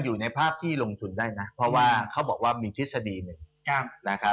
อยู่ในภาพที่ลงทุนได้นะเพราะว่าเขาบอกว่ามีทฤษฎีหนึ่งนะครับ